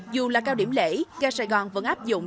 dù là cao điểm lễ ga sài gòn vẫn áp dụng